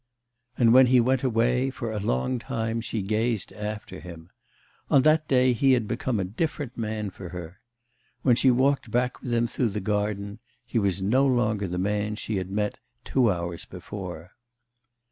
And when he went away, for a long time she gazed after him. On that day he had become a different man for her. When she walked back with him through the garden, he was no longer the man she had met two hours before.